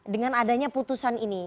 dengan adanya putusan ini